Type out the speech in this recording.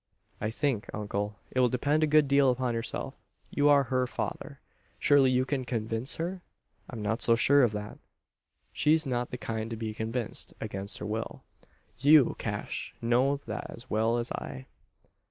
"I think, uncle, it will depend a good deal upon yourself. You are her father. Surely you can convince her?" "I'm not so sure of that. She's not of the kind to be convinced against her will. You, Cash, know that as well as I."